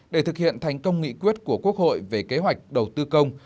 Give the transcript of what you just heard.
để thực hiện thành công nghị quyết của quốc hội về kế hoạch đầu tư công